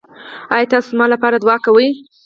ایا تاسو زما لپاره دعا کوئ؟